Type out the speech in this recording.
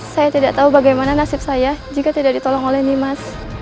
saya tidak tahu bagaimana nasib saya jika tidak ditolong oleh nimas